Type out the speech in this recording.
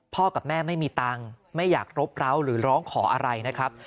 กับแม่ไม่มีตังค์ไม่อยากรบร้าวหรือร้องขออะไรนะครับ